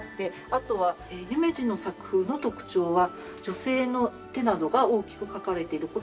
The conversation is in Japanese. あとは夢二の作風の特徴は女性の手などが大きく描かれている事が特徴です。